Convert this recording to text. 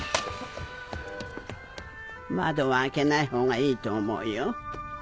窓は開けないほうがいいと思うよ。